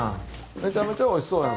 めちゃめちゃおいしそうやん。